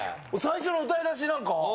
最初の歌い出しなんか。